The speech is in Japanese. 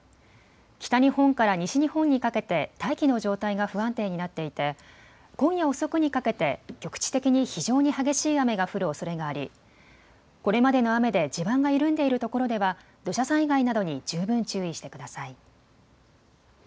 北日本から西日本にかけて大気の状態が不安定になっていて今夜遅くにかけて局地的に非常に激しい雨が降るおそれがありこれまでの雨で地盤が緩んでいるところでは土砂災害などに十分注意してください。